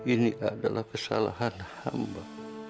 ini adalah kesalahan hamba